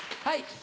はい。